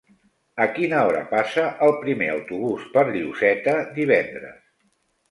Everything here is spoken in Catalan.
A quina hora passa el primer autobús per Lloseta divendres?